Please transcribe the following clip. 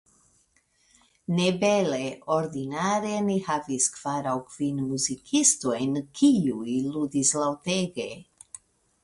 Ne bele, ordinare ni havis kvar aŭ kvin muzikistojn, kiuj ludis laŭtege.